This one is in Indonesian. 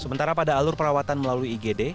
sementara pada alur perawatan melalui igd